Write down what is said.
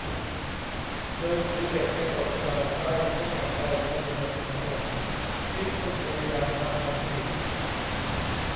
เดินถือเบ็ดไปตกปลาได้เท่ากับเราพลเมืองทุกคน ที่ทุกคนพยายามทำนั้นดี